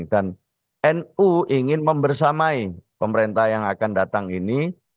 dan nu ingin membersamai pemerintah yang akan datang ini